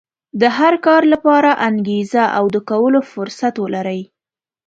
د هر کار لپاره انګېزه او د کولو فرصت ولرئ.